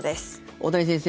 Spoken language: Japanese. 大谷先生